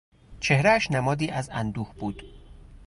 چهرهاش نمادی از اندوه بود.